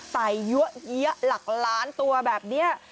ใส่เยอะหลักล้านตัวแบบนี้